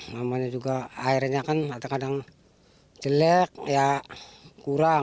namanya juga airnya kan kadang kadang jelek ya kurang